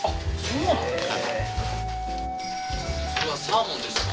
それはサーモンですか？